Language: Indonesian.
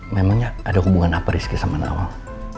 memangnya ada hubungan apa rizky sama nawal